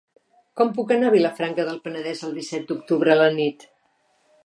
Com puc anar a Vilafranca del Penedès el disset d'octubre a la nit?